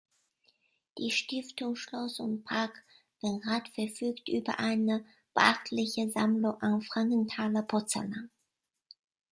Die "Stiftung Schloss und Park Benrath" verfügt über eine beachtliche Sammlung an Frankenthaler Porzellan.